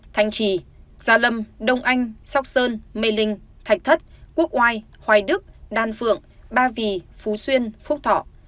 thanh trì gia lâm đông anh sóc sơn mê linh thạch thất quốc oai hoài đức đan phượng ba vì phú xuyên phúc thọ